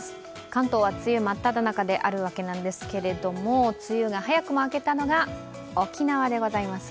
関東は梅雨真っただ中であるわけなんですけれども梅雨が早くも明けたのが沖縄でございます。